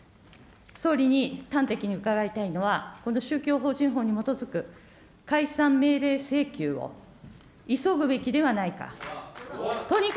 総理に端的に伺いたいのは、この宗教法人法に基づく解散命令請求を急ぐべきではないか。